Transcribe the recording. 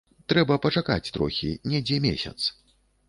Трэба пачакаць трохі, недзе месяц.